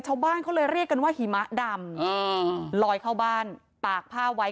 ชาวบ้านเขาเลยเรียกกันว่าหิมะดำลอยเข้าบ้านตากผ้าไว้